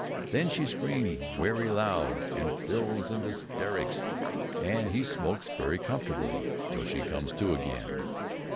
Then she screams wery loud, and falls into 'sterics; and he smokes wery comfortably 'till she comes to agin."